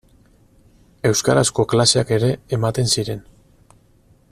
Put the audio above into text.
Euskarazko klaseak ere ematen ziren.